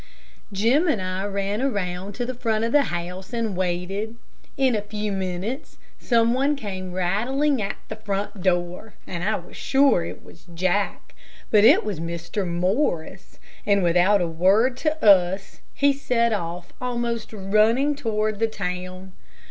Jim and I ran around to the front of the house and waited. In a few minutes, some one came rattling at the front door, and I was sure it was Jack. But it was Mr. Morris, and without a word to us, he set off almost running toward the town.